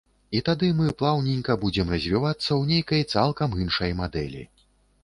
І тады мы плаўненька будзем развівацца ў нейкай цалкам іншай мадэлі.